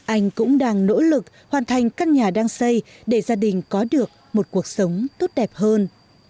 anh cũng đang nỗ lực hoàn thành căn nhà đang xây để gia đình có được một cuộc sống tốt đẹp hơn